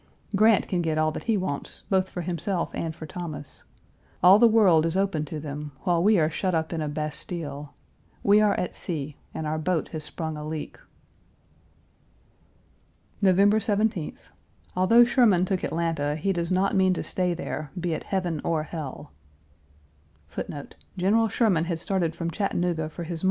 Grant can get all that he wants, both for himself and for Thomas. All the world is open to them, while we are shut up in a bastile.. We are at sea, and our boat has sprung a leak. November 17th. Although Sherman1 took Atlanta, he does not mean to stay there, be it heaven or hell. Fire and the sword are for us here; that is the word.